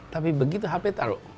tapi begitu hp taruh